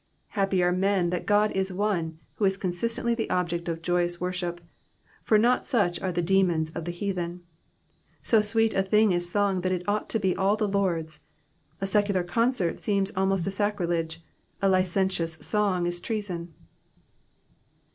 Happy are men that God is one who is con sistently the object of joyous worship, for not such are the demons of the heathen. So sweet a thing is song that it ought to be all the Lord^s ; a secular concert seems almost a sacrilege, a licentious song is treason.